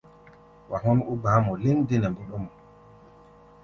Wa hɔ́n ó gba̧á̧ mɔ lɛ́ŋ dé nɛ mbɔ́ɗɔ́mɔ.